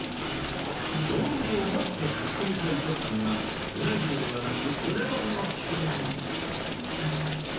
どんぶりを持ってかき込みたい徳さんは鰻重ではなく鰻丼を注文